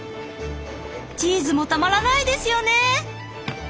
チーズもたまらないですよね。